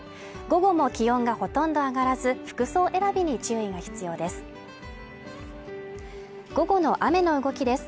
午後も気温がほとんど上がらず服装選びに注意が必要です